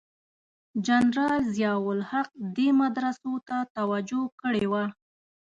جنرال ضیأ الحق دې مدرسو ته توجه کړې وه.